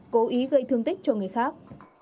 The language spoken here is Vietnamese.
cố ý gây thương tích cho người khác